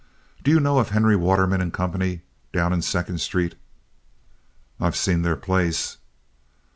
Do you know of Henry Waterman & Company down in Second Street?" "I've seen their place."